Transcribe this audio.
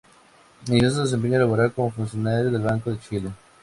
Inició su desempeñó laboral como funcionario del Banco de Chile.